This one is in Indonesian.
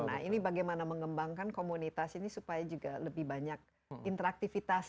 nah ini bagaimana mengembangkan komunitas ini supaya juga lebih banyak interaktifitas